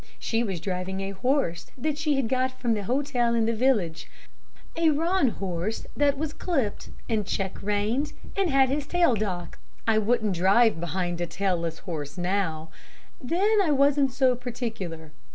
She was driving a horse that she had got from the hotel in the village, a roan horse that was clipped, and check reined, and had his tail docked. I wouldn't drive behind a tailless horse now. Then, I wasn't so particular.